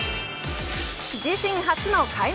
自身初の開幕